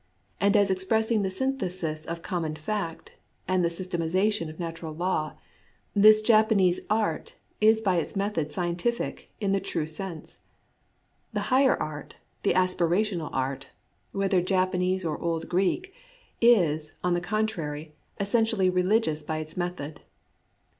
And as expressing the synthesis of common fact, the systematization of natural law, this Japa 116 ABOUT FACES IN JAPANESE ART nese art is by its method scientific in the true sense. The higher art, the aspirational art (whether Japanese or old Greek), is, on the contrary, essentially religious by its method.